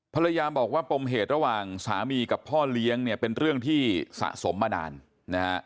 ภรรยาบอกว่าปมเหตุระหว่างสามีกับพ่อเลี้ยงเนี่ยเป็นเรื่องที่สะสมมานานนะฮะ